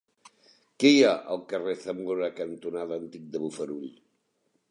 Què hi ha al carrer Zamora cantonada Antic de Bofarull?